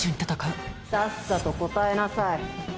さっさと答えなさい。